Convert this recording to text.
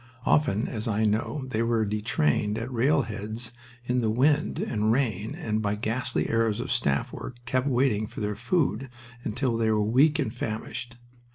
Often, as I know, they were detrained at rail heads in the wind and rain and by ghastly errors of staff work kept waiting for their food until they were weak and famished.